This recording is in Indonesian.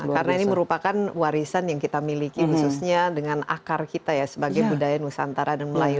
karena ini merupakan warisan yang kita miliki khususnya dengan akar kita ya sebagai budaya nusantara dan melayu